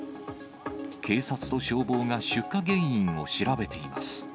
警察と消防が出火原因を調べています。